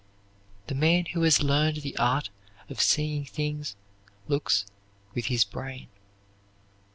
The man who has learned the art of seeing things looks with his brain.